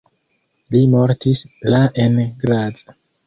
Li mortis la en Graz.